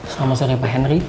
selamat sore pak henry